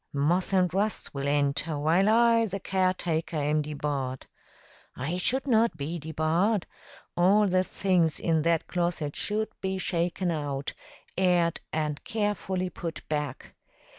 Moth and rust will enter, while I, the caretaker, am debarred. I should not be debarred. All the things in that closet should be shaken out, aired, and carefully put back.